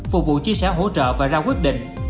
phục vụ chia sẻ hỗ trợ và ra quyết định